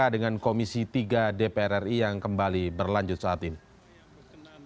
dengan komisi tiga dpr ri yang kembali berlanjut saat ini